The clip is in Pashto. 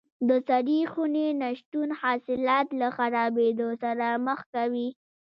د سړې خونې نه شتون حاصلات له خرابېدو سره مخ کوي.